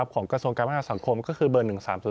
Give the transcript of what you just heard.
ของกระทรวงการพัฒนาสังคมก็คือเบอร์๑๓๐